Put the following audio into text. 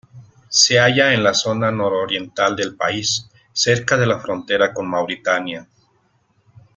Se halla en la zona nororiental del país, cerca de la frontera con Mauritania.